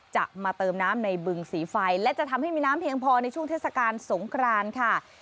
จะมาเติมน้ำในบึงสีไฟและจะทำให้มีน้ำเพียงพอในช่วงเทศกาลสงครานค่ะ